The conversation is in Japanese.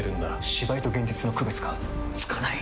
芝居と現実の区別がつかない！